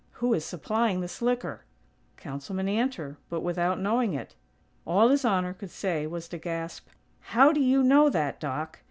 "Who is supplying this liquor?" "Councilman Antor; but without knowing it." All His Honor could say was to gasp: "How do you know that, Doc?"